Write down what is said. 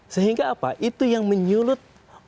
sehingga apa itu yang menyulut